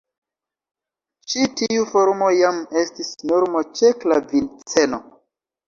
Ĉi tiu formo jam estis normo ĉe klaviceno.